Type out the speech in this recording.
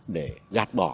để gạt bỏ